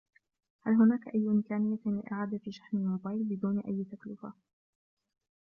هل هناك أي إمكانية لإعادة شحن الموبايل بدون أي تكلفة؟